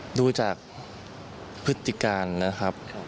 เพราะว่าเรื่องนี้เป็นเรื่องที่เป็นการกระทำส่วนบุคคล